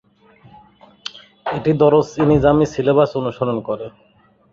এটি দরস-ই-নিজামী সিলেবাস অনুসরণ করে।